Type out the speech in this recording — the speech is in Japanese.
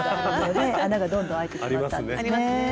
穴がどんどんあいてしまったんですね。